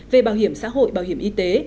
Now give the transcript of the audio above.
về bảo hiểm xã hội bảo hiểm y tế